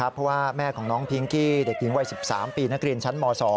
เพราะว่าแม่ของน้องพิงกี้เด็กหญิงวัย๑๓ปีนักเรียนชั้นม๒